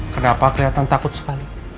kenapa kelihatan takut sekali